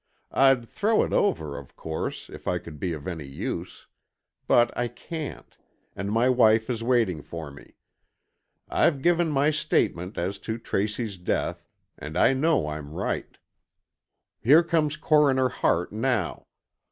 I'd throw it over, of course, if I could be of any use. But I can't, and my wife is waiting for me. I've given my statement as to Tracy's death, and I know I'm right. Here comes Coroner Hart now.